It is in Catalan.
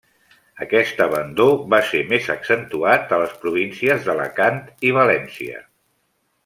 Aquest abandó va ser més accentuat a les províncies d'Alacant i València.